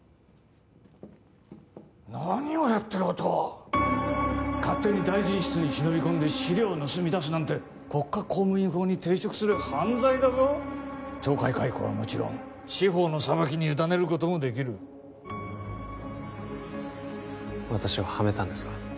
何をやってる音羽勝手に大臣室に忍び込んで資料を盗み出すなんて国家公務員法に抵触する犯罪だぞ懲戒解雇はもちろん司法の裁きに委ねることもできる私をハメたんですか？